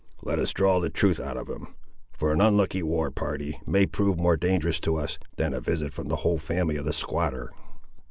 Let us draw the truth out of him; for an unlucky war party may prove more dangerous to us than a visit from the whole family of the squatter."